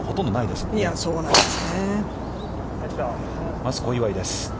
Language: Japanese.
まず小祝です。